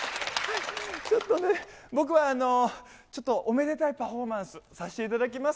ちょっとね、僕はあの、ちょっと、おめでたいパフォーマンスさせていただきます。